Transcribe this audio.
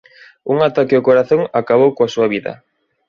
Un ataque ao corazón acabou coa súa vida.